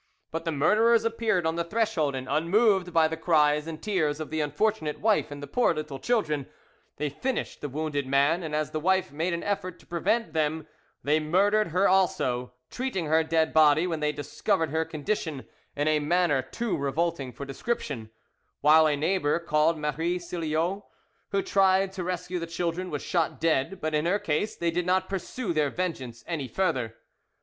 But the murderers appeared on the threshold, and, unmoved by the cries and tears of the unfortunate wife and the poor little children, they finished the wounded man, and as the wife made an effort to prevent them, they murdered her also, treating her dead body, when they discovered her condition, in a manner too revolting for description; while a neighbour, called Marie Silliot, who tried to rescue the children, was shot dead; but in her case they did not pursue their vengeance any further.